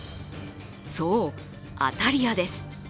そう、当たり屋です。